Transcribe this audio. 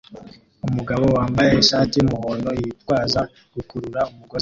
Umugabo wambaye ishati yumuhondo yitwaza gukurura umugozi